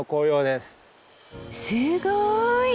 すごい！